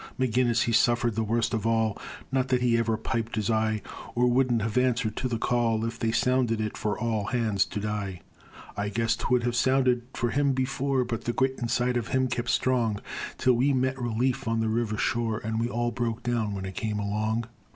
McGinnis, he suffered the worst of all; Not that he ever piped his eye Or wouldn't have answered to the call If they'd sounded it for "All hands to die." I guess 'twould have sounded for him before, But the grit inside of him kept him strong, Till we met relief on the river shore; And we all broke down when it came along.